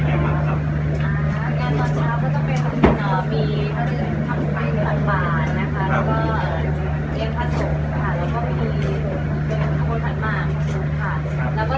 โดยมีเดทเชิญแขกผู้ใหญ่โอเครื่องประกาศแล้วก็ดีตระเวน